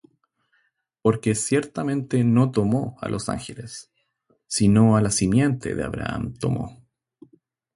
Porque ciertamente no tomó á los ángeles, sino á la simiente de Abraham tomó.